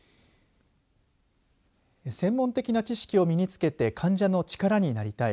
専門的な知識を身につけて患者の力になりたい。